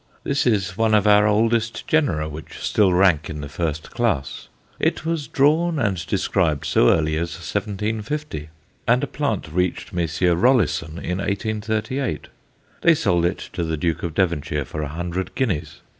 This is one of our oldest genera which still rank in the first class. It was drawn and described so early as 1750, and a plant reached Messrs. Rollisson in 1838; they sold it to the Duke of Devonshire for a hundred guineas.